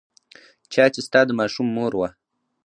چا چې ستا د ماشوم مور وه.